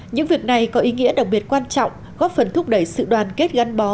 những việc này có ý nghĩa đặc biệt quan trọng góp phần thúc đẩy sự đoàn kết gắn bó